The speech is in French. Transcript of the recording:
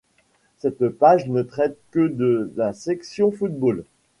Cette page ne traite que de la section football.